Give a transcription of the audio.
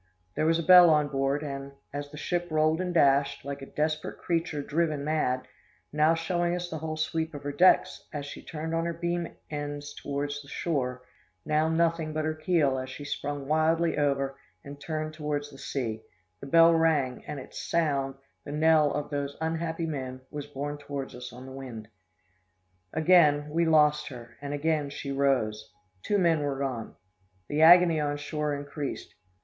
There was a bell on board; and, as the ship rolled and dashed, like a desperate creature driven mad, now showing us the whole sweep of her deck, as she turned on her beam ends towards the shore, now, nothing but her keel, as she sprung wildly over and turned towards the sea, the bell rang; and its sound, the knell of those unhappy men, was borne towards us on the wind. "Again, we lost her, and again she rose. Two men were gone. The agony on shore increased.